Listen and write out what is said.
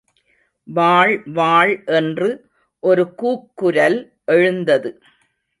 வாள் வாள் என்று ஒரு கூக்குரல் எழுந்தது.